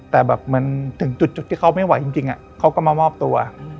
แต่ถึงจุดที่เขาไม่ไหวจริงเขาก็มามอบตัว